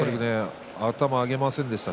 頭を上げませんでした。